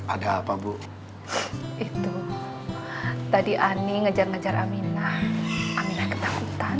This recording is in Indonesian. ada apa bu itu tadi ani ngejar ngejar aminah aminah ketakutan